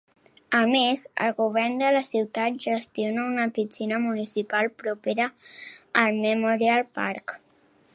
A més, el govern de la ciutat gestiona una piscina municipal propera al Memorial Park.